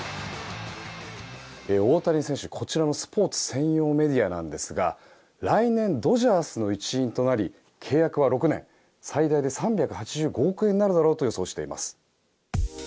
大谷選手、こちらのスポーツ専用メディアですが来年ドジャースの一員となり契約は６年最大で３８５億円になるだろうと予測しています。